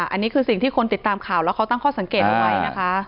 อันนี้คือสิ่งที่คนติดตามข่าวแล้วเขาตั้งข้อสังเกตเอาไว้นะคะ